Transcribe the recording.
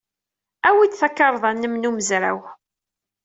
Awi-d takarḍa-nnem n umezraw.